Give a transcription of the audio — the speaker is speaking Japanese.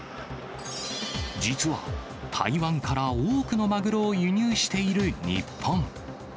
実は、台湾から多くのマグロを輸入している日本。